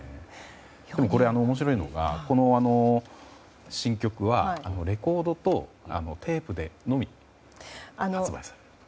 でも、これ面白いのがこの新曲はレコードとテープでのみ発売されると。